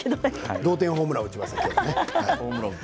同点ホームランを打ちますけどね。